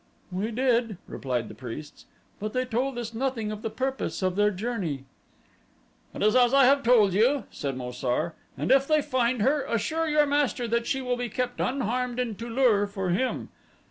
"We did," replied the priests, "but they told us nothing of the purpose of their journey." "It is as I have told you," said Mo sar, "and if they find her, assure your master that she will be kept unharmed in Tu lur for him.